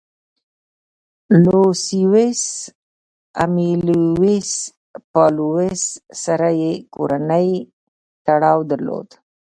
لوسیوس امیلیوس پاولوس سره یې کورنی تړاو درلود